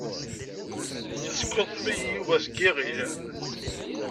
Yeskuḍḍef-iyi Yuba seg yiɣil.